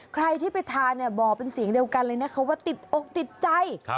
ใครที่ไปทานเนี่ยบอกเป็นเสียงเดียวกันเลยนะคะว่าติดอกติดใจ